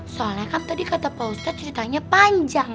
soalnya kan tadi kata pak ustadz ceritanya panjang